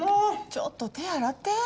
ちょっと手洗って。